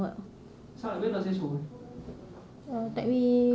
sao lại biết là xê sủi